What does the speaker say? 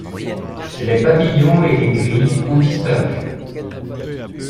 Les pavillons et les grilles ont disparu.